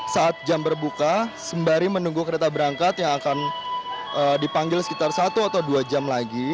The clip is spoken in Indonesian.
saat jam berbuka sembari menunggu kereta berangkat yang akan dipanggil sekitar satu atau dua jam lagi